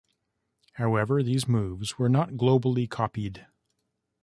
However these moves were not globally copied.